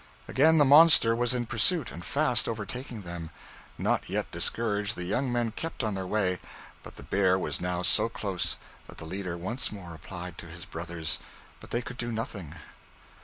Again the monster was in pursuit, and fast overtaking them. Not yet discouraged, the young men kept on their way; but the bear was now so close, that the leader once more applied to his brothers, but they could do nothing.